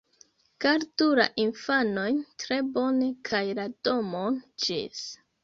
Gardu la infanojn tre bone, kaj la domon! Ĝis!